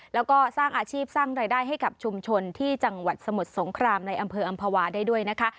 แล้วก็สร้างอาชีพสร้างรายได้ให้กับชุมชนที่จังหวัดสมุทรสงครามในอำเภออำภาวาได้ด้วยนะคะ